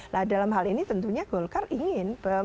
nah dalam hal ini tentunya golkar ingin